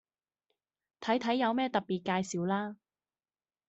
睇睇有咩特別介紹啦